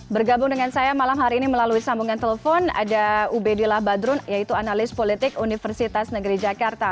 bergabung dengan saya malam hari ini melalui sambungan telepon ada ubedillah badrun yaitu analis politik universitas negeri jakarta